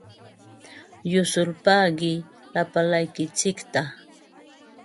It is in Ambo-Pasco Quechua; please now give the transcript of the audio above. Yusulpaaqi lapalaykitsikta.